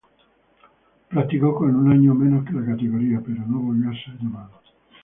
Practicó con un año menos que la categoría pero no volvió a ser llamado.